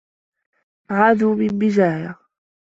عادوا من بجاية.